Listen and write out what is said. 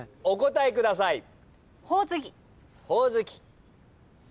お答えください。